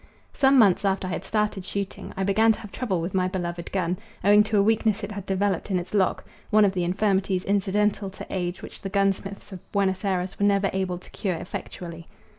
Some months after I had started shooting I began to have trouble with my beloved gun, owing to a weakness it had developed in its lock one of the infirmities incidental to age which the gunsmiths of Buenos Ayres were never able to cure effectually.